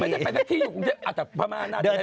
ไม่ได้ไปสักที่อาจจะพระม่าหน้าที่ได้ไป